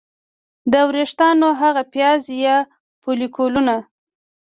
د ویښتانو هغه پیاز یا فولیکولونه